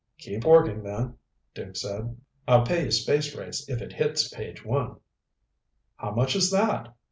"Keep working then," Duke said. "I'll pay you space rates if it hits page one." "How much is that?"